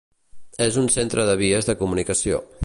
És un centre de vies de comunicació.